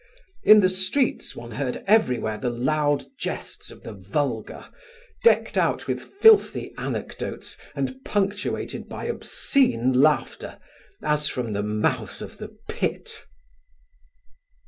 In the streets one heard everywhere the loud jests of the vulgar, decked out with filthy anecdotes and punctuated by obscene laughter, as from the mouth of the Pit.